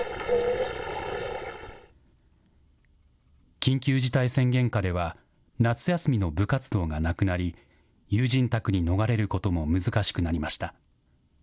緊急事態宣言下では、夏休みの部活動がなくなり、友人宅に逃れることも難しくなりました。